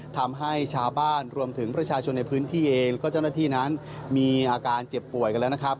ทำให้ชาวบ้านรวมถึงประชาชนในพื้นที่เองแล้วก็เจ้าหน้าที่นั้นมีอาการเจ็บป่วยกันแล้วนะครับ